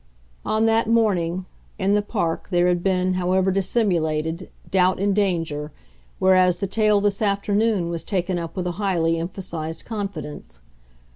On that morning; in the Park there had been, however dissimulated, doubt and danger, whereas the tale this afternoon was taken up with a highly emphasised confidence.